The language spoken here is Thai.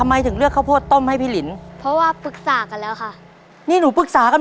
มั่นใจไหมลูกน้องน้ำ